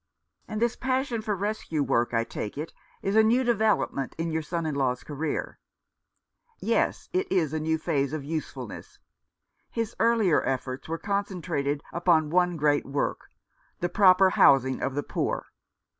"And this passion for rescue work, I take it, is a new development in your son in law's career." "Yes, it is a new phase of usefulness. His earlier efforts were concentrated upon one great work, the proper housing of the poor.